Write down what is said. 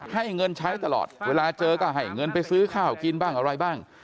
ให้เงินใช้ตลอดเวลาเจอก็ให้เงินไปซื้อข้าวกินบ้างอะไรบ้าง